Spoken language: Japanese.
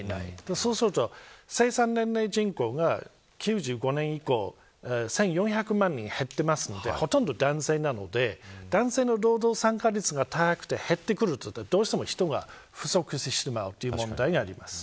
そうすると生産年齢人口が９５年以降１４００万人減っているのでほとんど男性なので、男性の労働参加率が減ってくるとどうしても人が不足してしまうという問題があります。